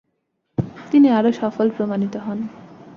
তিনি আরও সফল প্রমাণিত হন।